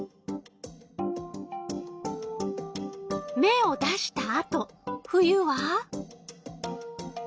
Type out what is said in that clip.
芽を出したあと冬は？